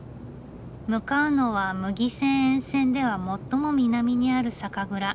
向かうのは牟岐線沿線では最も南にある酒蔵。